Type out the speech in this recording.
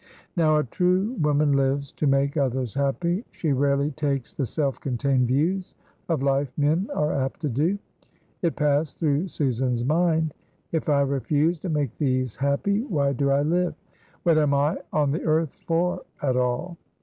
Now, a true woman lives to make others happy. She rarely takes the self contained views of life men are apt to do. It passed through Susan's mind: "If I refuse to make these happy, why do I live, what am I on the earth for at all?"